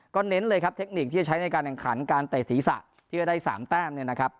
เน้นเลยครับเทคนิคที่จะใช้ในการแข่งขันการเตะศีรษะที่จะได้๓แต้มเนี่ยนะครับ